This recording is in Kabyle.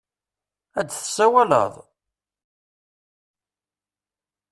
Ad d-tsawaleḍ?